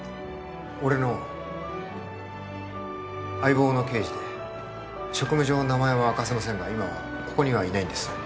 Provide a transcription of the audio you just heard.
俺の相棒の刑事で職務上名前は明かせませんが今はここにはいないんです